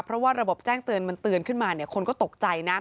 เพราะว่าระบบแจ้งเตือนมันเตือนขึ้นมาเนี่ยคนก็ตกใจนะ